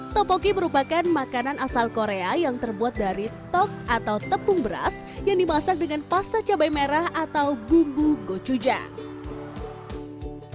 topoki merupakan makanan asal korea yang terbuat dari tok atau tepung beras yang dimasak dengan pasta cabai merah atau bumbu gocuja